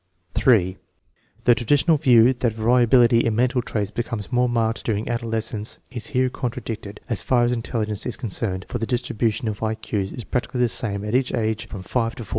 2 3. The traditional view that variability in mental traits becomes more marked during adolescence is here contra dicted, as far as intelligence is concerned, for the distribu tion of I Q's is practically the same at each age from 5 to 14.